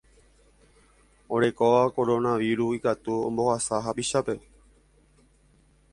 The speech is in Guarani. Orekóva koronavíru ikatu ombohasa hapichápe